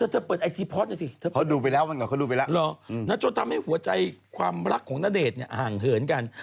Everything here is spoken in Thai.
อ๋อเธอเปิดไอทีพอร์ชด้วยสิเขาดูไปแล้วนาโจทย์ทำให้หัวใจความรักของนาเดชย์ห่างเหินกัน